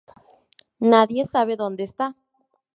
Nadie sabe donde está.